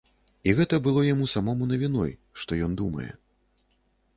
І гэта было яму самому навіной, што ён думае.